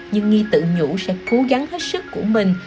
nhưng nghi tự nhủ sẽ cố gắng hết sức của mình